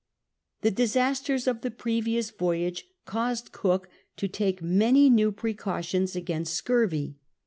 The disasters of the previous voyage caused Cook to take many new precautions against scurvy.